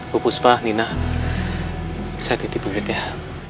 bu puspa nina saya titip begitu ya